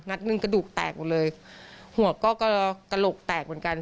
หนึ่งกระดูกแตกหมดเลยหัวก็กระโหลกแตกเหมือนกัน